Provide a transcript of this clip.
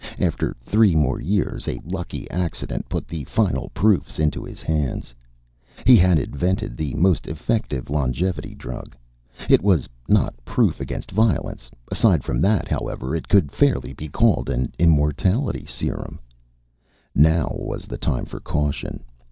After three more years, a lucky accident put the final proofs into his hands. He had invented a most effective longevity drug. It was not proof against violence; aside from that, however, it could fairly be called an immortality serum. Now was the time for caution.